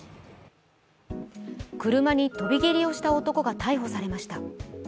車に跳び蹴りをした男が逮捕されました